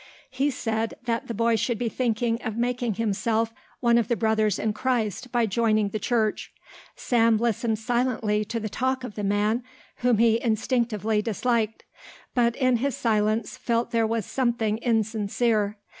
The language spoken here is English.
He said that the boy should be thinking of making himself one of the brothers in Christ by joining the church. Sam listened silently to the talk of the man, whom he instinctively disliked, but in his silence felt there was something insincere.